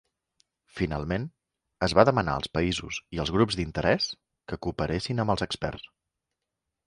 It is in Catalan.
Finalment, es va demanar als països i als grups d'interès que cooperessin amb els experts.